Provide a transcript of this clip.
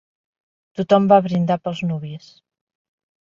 Tothom va brindar pels nuvis.